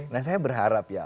nah saya berharap ya